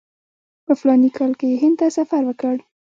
په فلاني کال کې یې هند ته سفر وکړ.